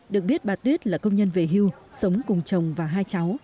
được biết bà tuyết là công nhân về hưu sống cùng chồng và hai cháu